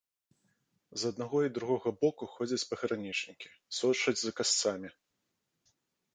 З аднаго і другога боку ходзяць пагранічнікі, сочаць за касцамі.